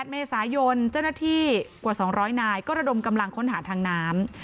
๘เมษายนเจ้าหน้าที่กว่า๒๐๐นายก็ระดมกำลังค้นหาทางน้ำ